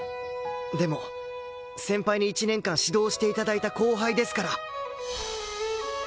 でも先輩に一年間指導して頂いた後輩ですから。